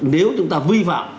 nếu chúng ta vi phạm